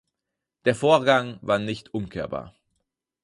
Der Vorgang war nicht umkehrbar.